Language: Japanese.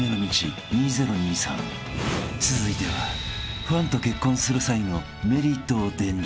［続いてはファンと結婚する際のメリットを伝授］